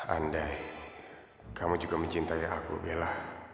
andai kamu juga mencintai yang aku bella